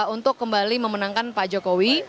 untuk kembali memenangkan pak jokowi